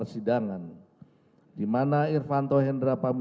saudara irvan tohendro